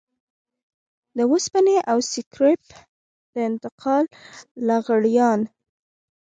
د وسپنې او سکريپ د انتقال لغړيان.